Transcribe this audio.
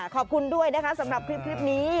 ขอบคุณด้วยนะคะสำหรับคลิปนี้